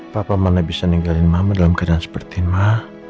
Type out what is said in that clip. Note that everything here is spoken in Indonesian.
papa mana bisa ninggalin mama dalam keadaan seperti mah